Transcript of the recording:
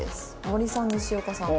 森さん西岡さん。